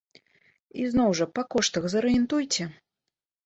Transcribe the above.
І зноў, жа па коштах зарыентуйце.